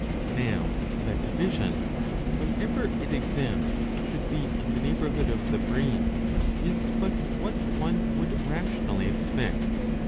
Now that vision, whenever it exists, should be in the neighbourhood of the brain is but what one would rationally expect.